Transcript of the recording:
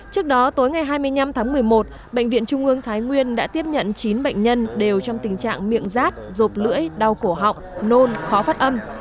trước đó tối ngày hai mươi năm tháng một mươi một bệnh viện trung ương thái nguyên đã tiếp nhận chín bệnh nhân đều trong tình trạng miệng rát rộp lưỡi đau cổ họng nôn khó phát âm